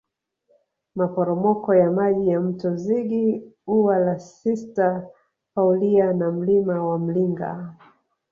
Maporomoko ya maji ya Mto Zigi Ua la Sista Paulia na Mlima wa Mlinga